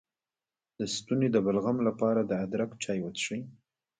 د ستوني د بلغم لپاره د ادرک چای وڅښئ